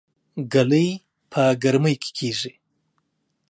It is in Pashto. ګلۍ په ګرمۍ کې کيږي